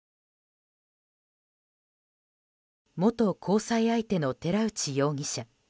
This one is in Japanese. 元交際相手の寺内容疑者。